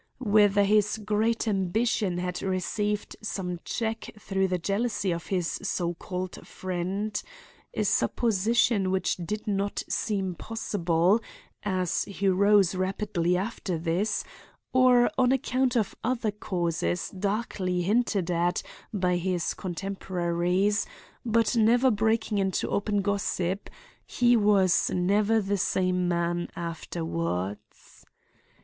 Whether his great ambition had received some check through the jealousy of this so called friend—a supposition which did not seem possible, as he rose rapidly after this—or on account of other causes darkly hinted at by his contemporaries, but never breaking into open gossip, he was never the same man afterwards.